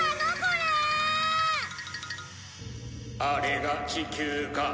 あれが地球か。